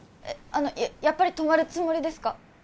あのやっぱり泊まるつもりですか？